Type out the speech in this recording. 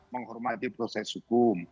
menghormati proses hukum